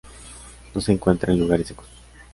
No se encuentra en lugares secos.